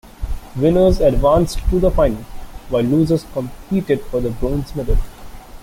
Winners advanced to the final, while losers competed for the bronze medal.